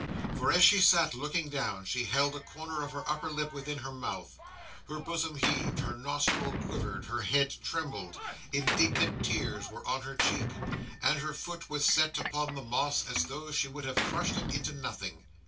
For as she sat looking down, she held a corner of her under lip within her mouth, her bosom heaved, her nostril quivered, her head trembled, indignant tears were on her cheek, and her foot was set upon the moss as though she would have crushed it into nothing.